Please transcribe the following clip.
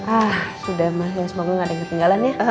ah sudah semoga gak ada yang ketinggalan ya